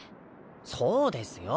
そうですよ。